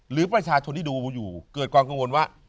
หรือประชาชนที่ดูอยู่เกิดความกังวลว่า